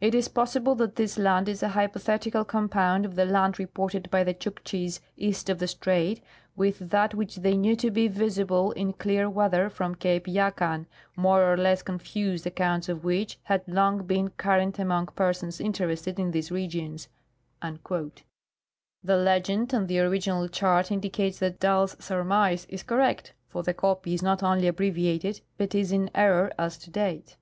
It is possible that this land is a hypothetical compound of the land reported by tlie Chukcliis east of the strait witli tliat Avhich they knew to be visible in clear weather from Cape Yakan, more or less confused accounts of wliich liad long been current among persons interested in these regions." 208 General A. W. Greely — Bering^s First Voyage. The legend on the original chart indicates that Dall's surmise is correct, for the copy is not only abbreviated, but is in error as to date.